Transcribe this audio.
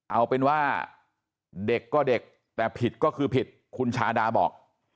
เอาเป็นว่าเด็กก็เด็กแต่ผิดก็คือผิดคุณชาดาบอก